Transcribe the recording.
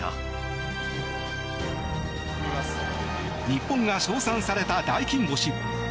日本が称賛された大金星。